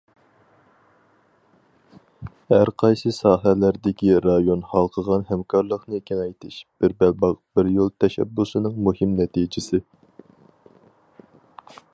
ھەر قايسى ساھەلەردىكى رايون ھالقىغان ھەمكارلىقنى كېڭەيتىش، بىر بەلباغ، بىر يول تەشەببۇسىنىڭ مۇھىم نەتىجىسى.